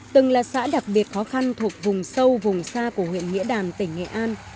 từng là xã đặc biệt khó khăn thuộc vùng sâu vùng xa của huyện nghĩa đàn tỉnh nghệ an